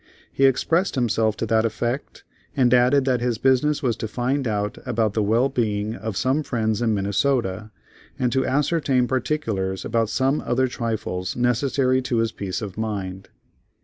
He expressed himself to that effect, and added that his business was to find out about the well being of some friends in Minnesota, and to ascertain particulars about some other trifles necessary to his peace of mind.